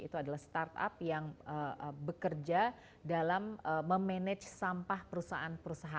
itu adalah startup yang bekerja dalam memanage sampah perusahaan perusahaan